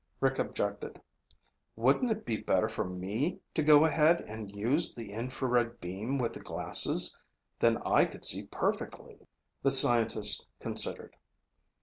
Rick objected. "Wouldn't it be better for me to go ahead and use the infrared beam with the glasses? Then I could see perfectly." The scientist considered.